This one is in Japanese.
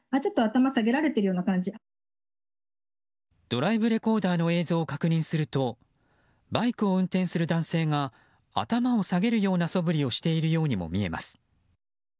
ドライブレコーダーの映像を確認するとバイクを運転する男性が頭を下げるようなそぶりをしているようにも見えます。